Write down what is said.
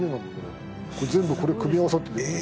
全部これ組み合わさってできてる。